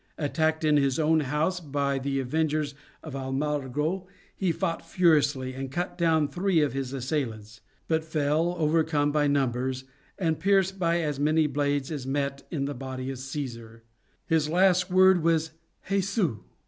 Attacked in his own house by the avengers of Almagro, he fought furiously, and cut down three of his assailants; but fell, overcome by numbers, and pierced by as many blades as met in the body of Cæsar. His last word was "Jesu!"